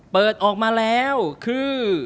เปิดออกมาแล้วคือ